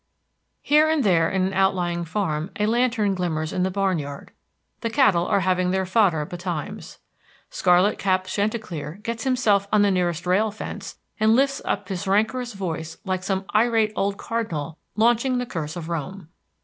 Here and there in an outlying farm a lantern glimmers in the barn yard: the cattle are having their fodder betimes. Scarlet capped chanticleer gets himself on the nearest rail fence and lifts up his rancorous voice like some irate old cardinal launching the curse of Rome.